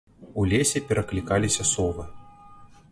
У лесе пераклікаліся совы.